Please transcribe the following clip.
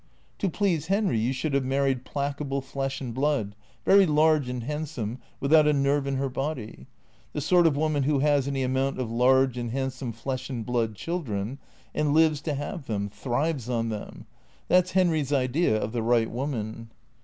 " To please Henry you should have married placable flesh and blood, very large and handsome, without a nerve in her body. The sort of woman who has any amount of large and handsome flesh and blood children, and lives to have them, thrives on them. That 's Henry's idea of the right woman."